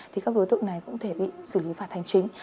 thì các đối tượng này cũng thể bị xử lý phạt hành chính